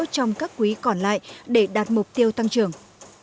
trong các quý còn lại để đạt mục tiêu tăng trưởng